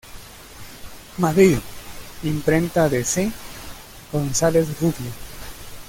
Madrid: Imprenta de C. González Rubio.